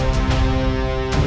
aku akan menangkapmu